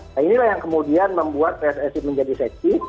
nah inilah yang kemudian membuat pssi menjadi seksi